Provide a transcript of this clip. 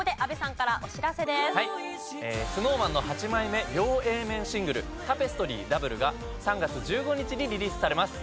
ＳｎｏｗＭａｎの８枚目両Ａ面シングル『タペストリー／Ｗ』が３月１５日にリリースされます。